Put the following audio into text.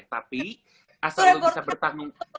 tapi asal lo bisa bertanggung